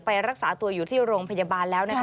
รักษาตัวอยู่ที่โรงพยาบาลแล้วนะคะ